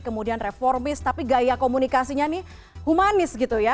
kemudian reformis tapi gaya komunikasinya ini humanis gitu ya